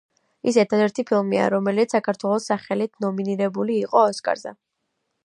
ის ერთადერთი ფილმია, რომელიც საქართველოს სახელით ნომინირებული იყო ოსკარზე.